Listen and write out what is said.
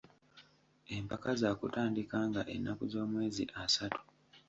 Empaka zaakutandika nga ennaku z’omwezi asatu.